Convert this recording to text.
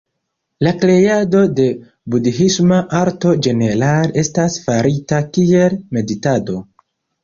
La kreado de budhisma arto ĝenerale estas farita kiel meditado.